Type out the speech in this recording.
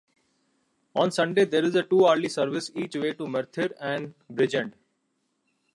On Sunday, there is a two-hourly service each way to Merthyr and Bridgend.